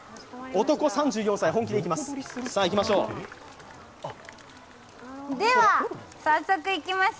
男３４歳、本気でいきます。